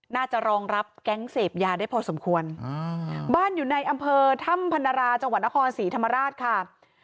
รองรับแก๊งเสพยาได้พอสมควรบ้านอยู่ในอำเภอถ้ำพันราจังหวัดนครศรีธรรมราชค่ะ